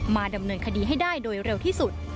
มาดำเนินคดีให้ได้โดยเร็วที่สุด